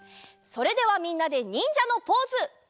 それではみんなでにんじゃのポーズ！